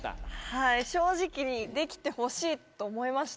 はい正直できてほしいと思いました。